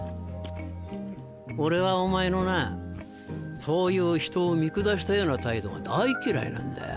俺はお前のなぁそういう人を見下したような態度が大嫌いなんだよ。